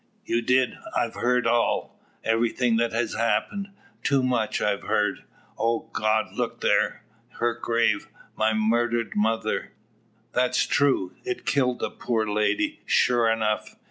"You did. I've heard all everything that has happened. Too much I've heard. O God! look there! Her grave my murdered mother!" "That's true. It killed the poor lady, sure enough."